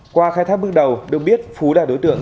qua khai thác bước đầu được biết phú là đối tượng